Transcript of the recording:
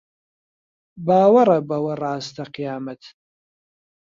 باوەڕە بەوە ڕاستە قیامەت